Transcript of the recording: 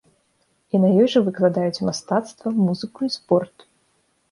І на ёй жа выкладаюць мастацтва, музыку і спорт.